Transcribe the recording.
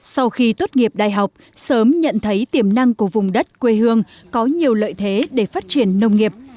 sau khi tốt nghiệp đại học sớm nhận thấy tiềm năng của vùng đất quê hương có nhiều lợi thế để phát triển nông nghiệp